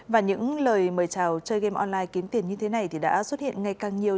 và những lời mời chào chơi game online kiếm tiền như thế này thì đã xuất hiện ngày càng nhiều